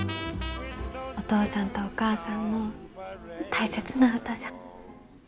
お父さんとお母さんの大切な歌じゃ。